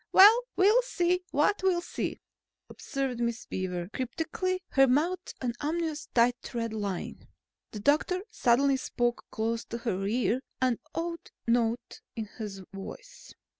"Well, we'll see what we'll see," observed Miss Beaver cryptically, her mouth an ominous tight red line. The doctor suddenly spoke close to her ear, an odd note in his voice.